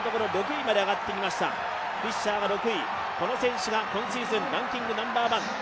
フィッシャーが６位、この選手が今シーズンランキングナンバーワン。